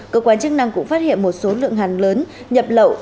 cơ quan chức năng cũng phát hiện một số lượng hàng lớn nhập lậu